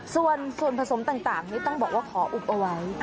ส่วนผสมต่างนี่ต้องบอกว่าขออุบเอาไว้